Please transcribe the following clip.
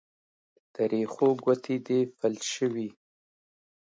د رېښو ګوتې دې فلج شوي